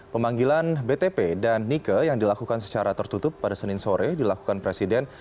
pemanggilan btp dan nike yang dilakukan secara tertutup pada senin sore dilakukan presiden